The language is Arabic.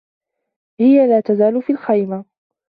هي لا تزال في الخيمة.